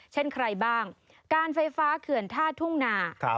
เช่นใครบ้างการไฟฟ้าเขื่อนท่าทุ่งนา